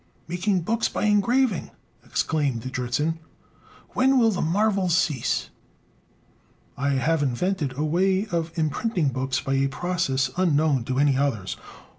"Making books by engraving!" exclaimed Dritzhn. "When will the marvels cease?" "I have invented a way of imprinting books by a process unknown to any others.